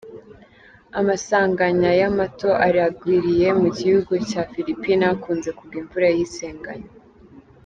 Amasanganya y'amato aragwiriye mu gihugu ca Philippines, hakunze kugwa imvura y'isegenya.